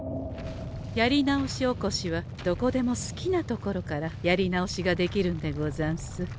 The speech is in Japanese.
やりなおしおこしはどこでも好きなところからやり直しができるんでござんす。